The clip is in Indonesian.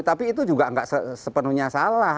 tapi itu juga nggak sepenuhnya salah